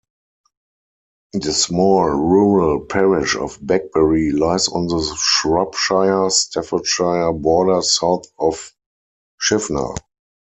The small rural parish of Beckbury lies on the Shropshire-Staffordshire border south of Shifnal.